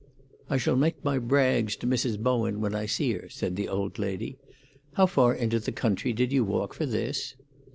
"I shall make my brags to Mrs. Bowen when I see her," said the old lady. "How far into the country did you walk for this?"